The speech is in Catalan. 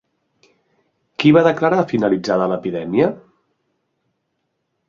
Qui va declarar finalitzada l'epidèmia?